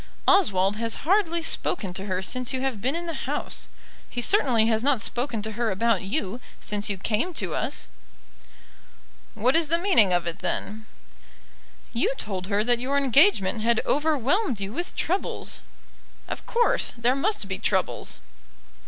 Oswald has hardly spoken to her since you have been in the house. He certainly has not spoken to her about you since you came to us." "What is the meaning of it, then?" "You told her that your engagement had overwhelmed you with troubles." "Of course; there must be troubles."